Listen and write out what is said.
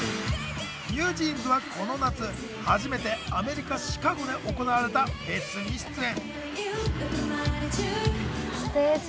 ＮｅｗＪｅａｎｓはこの夏初めてアメリカ・シカゴで行われたフェスに出演。